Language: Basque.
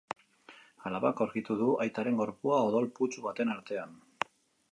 Alabak aurkitu du aitaren gorpua odol putzu baten artean.